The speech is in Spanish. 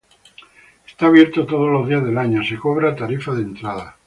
Está abierto todos los días del año, se cobra tarifa de entrada.